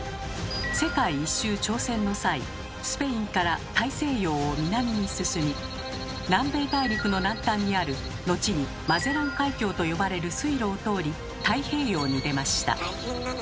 世界一周挑戦の際スペインから大西洋を南に進み南米大陸の南端にある後に「マゼラン海峡」と呼ばれる水路を通り「太平洋」に出ました。